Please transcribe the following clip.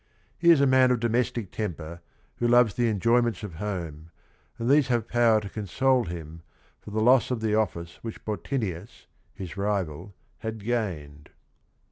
He is a man of domestic temper who loves the enjoy ments of home, and these have power to console him for the loss of the office which Ejo ttinius , hjs_rival, had gained.